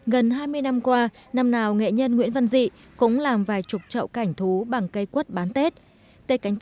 gần hai mươi năm qua năm nào nghệ nhân nguyễn văn dị cũng làm vài chục trậu cảnh thú bằng cây quất bán tết